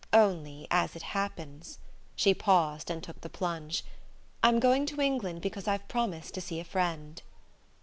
Only, as it happens" she paused and took the plunge "I'm going to England because I've promised to see a friend."